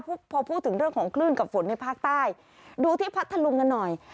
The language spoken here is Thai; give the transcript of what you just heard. พอพูดถึงเรื่องของคลื่นกับฝนในภาคใต้ดูที่พัทธลุงกันหน่อย